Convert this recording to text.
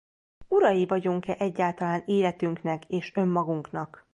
Urai vagyunk-e egyáltalán életünknek és önmagunknak?